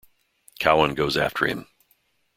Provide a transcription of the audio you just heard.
Cowan goes after him.